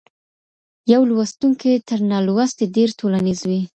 يو لوستونکی تر نالوستي ډېر ټولنيز وي.